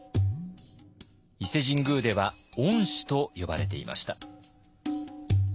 伊勢神宮では御師と呼ばれていました。